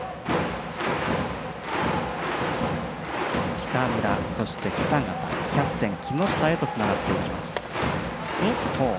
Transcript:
北村、そして北方キャプテンの木下へとつながっていきます。